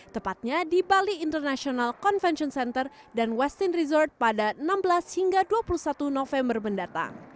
tepatnya di bali international convention center dan westin resort pada enam belas hingga dua puluh satu november mendatang